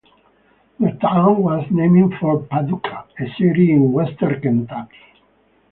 The town was named for Paducah, a city in western Kentucky.